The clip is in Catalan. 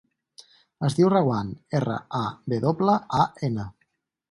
Es diu Rawan: erra, a, ve doble, a, ena.